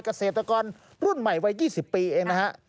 กเศรษฐกรรมรุ่นใหม่วัย๒๐ปีเองนะฮะ